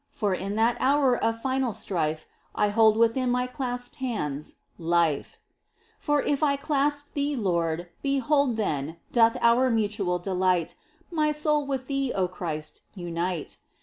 For in that hour of final strife I hold within my clasped hands — Life. 24 MINOR WORKS OF ST. TERESA. For if I clasp Thee, Lord, behold Then doth our mutual delight My soul with Thee, O Christ, unite.